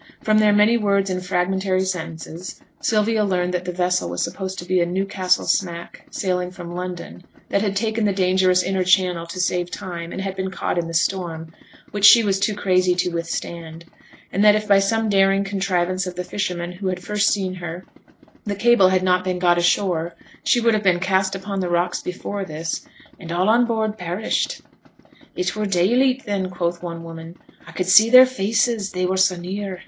From their many words and fragmentary sentences, Sylvia learnt that the vessel was supposed to be a Newcastle smack sailing from London, that had taken the dangerous inner channel to save time, and had been caught in the storm, which she was too crazy to withstand; and that if by some daring contrivance of the fishermen who had first seen her the cable had not been got ashore, she would have been cast upon the rocks before this, and 'all on board perished'. 'It were dayleet then,' quoth one woman; 'a could see their faces, they were so near.